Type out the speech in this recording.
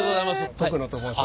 徳野と申します。